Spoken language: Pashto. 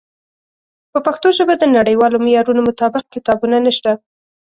په پښتو ژبه د نړیوالو معیارونو مطابق کتابونه نشته.